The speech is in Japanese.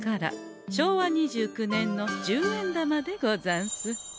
昭和２９年の十円玉でござんす。